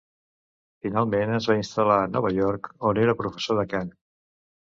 Finalment es va instal·lar a Nova York on era professor de cant.